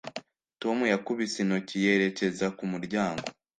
tom yakubise intoki yerekeza ku muryango.